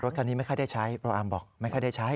คันนี้ไม่ค่อยได้ใช้เพราะอาร์มบอกไม่ค่อยได้ใช้